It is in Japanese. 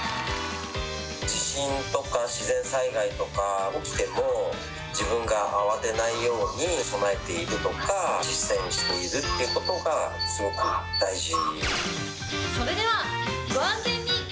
地震とか自然災害とか起きても、自分が慌てないように備えているとか、実践しているっていうことが、すごく大事。